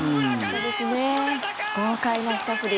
豪快なひと振り。